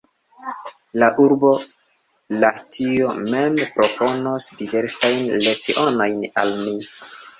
La urbo Lahtio mem proponos diversajn lecionojn al ni.